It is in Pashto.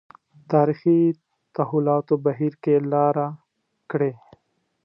تاریخي تحولاتو بهیر کې لاره کړې.